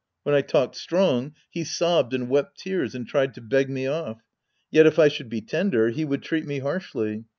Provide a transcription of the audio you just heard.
When I talked strong, he sob bed and wept tears and tried to beg me off. Yet if I should be tender, he would treat me harshly.